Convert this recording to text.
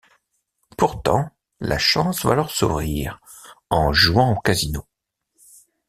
Pourtant la chance va leur sourire en jouant au casino.